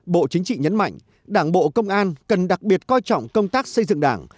bộ chính trị nhấn mạnh đảng bộ công an cần đặc biệt coi trọng công tác xây dựng đảng